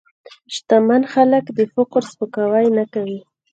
شتمن خلک د فقر سپکاوی نه کوي.